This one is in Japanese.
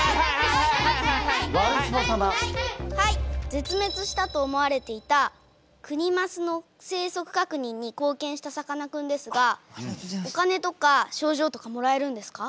ぜつめつしたと思われていたクニマスの生息かくにんにこうけんしたさかなクンですがお金とか賞状とかもらえるんですか？